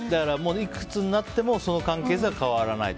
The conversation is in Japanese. いくつになってもその関係性は変わらないと。